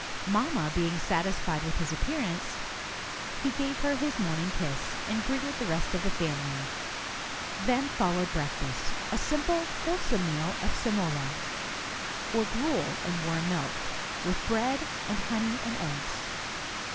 Mamma being satisfied with his appearance, he gave her his morning kiss, and greeted the rest of the family. Then followed breakfast, — a simple, wholesome meal of semola, or gruel and warm milk, with bread and honey and eggs.